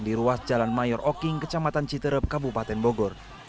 di ruas jalan mayor oking kecamatan citerep kabupaten bogor